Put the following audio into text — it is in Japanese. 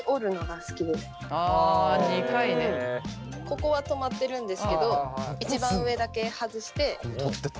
ここは留まってるんですけど一番上だけ外してやってます。